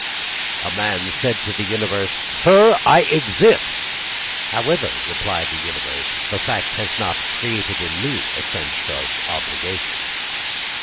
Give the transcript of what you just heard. A man said to the universe: "Sir, I exist!" "However," replied the universe, "The fact has not created in me "A sense of obligation."